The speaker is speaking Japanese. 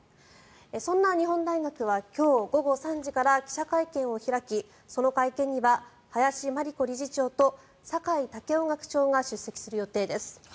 そんな日本大学は今日午後３時から記者会見を開きその会見には林真理子理事長と酒井健夫学長が出席する予定です。